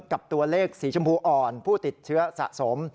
กับตัวเลขสีชมพูอ่อนผู้ติดเชื้อสะสม